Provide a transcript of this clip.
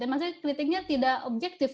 maksudnya kritiknya tidak objektif